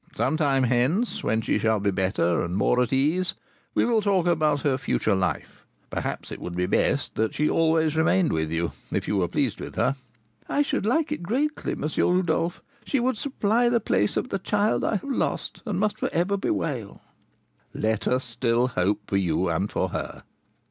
Some time hence, when she shall be better, and more at ease, we will talk about her future life; perhaps it would be best that she always remained with you, if you were pleased with her." "I should like it greatly, M. Rodolph; she would supply the place of the child I have lost, and must for ever bewail." "Let us still hope for you and for her."